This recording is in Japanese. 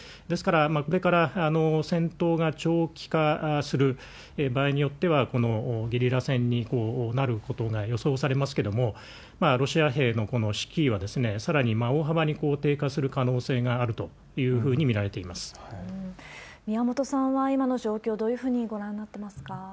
ですから、これから戦闘が長期化する、場合によっては、このゲリラ戦になることが予想されますけれども、ロシア兵の士気はさらに大幅に低下する可能性があるというふうに宮本さんは、今の状況、どういうふうにご覧になっていますか。